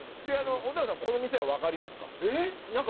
蛍原さんこの店はわかりますか？